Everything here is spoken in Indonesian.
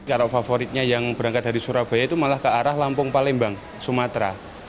arah favoritnya yang berangkat dari surabaya itu malah ke arah lampung palembang sumatera